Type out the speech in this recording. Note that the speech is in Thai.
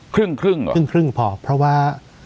ครึ่งครึ่งเหรอครึ่งพอเพราะว่า